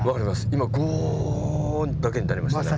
今ゴーッだけになりましたね。